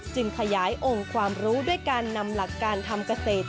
ขยายองค์ความรู้ด้วยการนำหลักการทำเกษตร